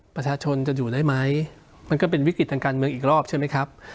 ประชาชนจะอยู่ได้ไหมมันก็เป็นวิกฤติทางการเมืองอีกรอบใช่ไหมครับ